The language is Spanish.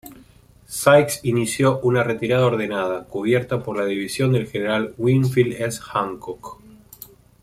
Sykes inició una retirada ordenada, cubierta por la división del general Winfield S. Hancock.